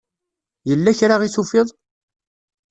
Yella kra i tufiḍ?